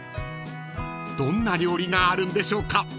［どんな料理があるんでしょうか］